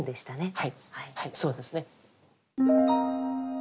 はいそうですね。